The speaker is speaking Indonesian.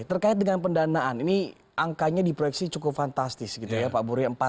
terkait dengan pendanaan ini angkanya diproyeksi cukup fantastis gitu ya pak bury